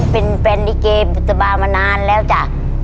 เป็นแฟนลิเกปุตบามานานแล้วจ้ะ